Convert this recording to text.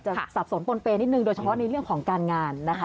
สับสนปนเปย์นิดนึงโดยเฉพาะในเรื่องของการงานนะคะ